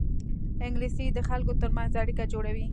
انګلیسي د خلکو ترمنځ اړیکه جوړوي